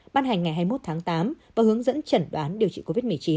bản hành ngày hai mươi một tháng tám và hướng dẫn trận đoán điều trị covid một mươi chín